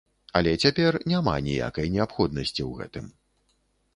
Але цяпер няма ніякай неабходнасці ў гэтым.